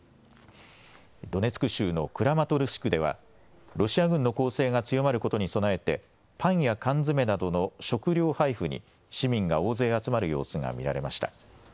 ドネツク州のクラマトルシクでは、ロシア軍の攻勢が強まることに備えて、パンや缶詰などの食料配付に、市民が大勢集まる様子が見られました。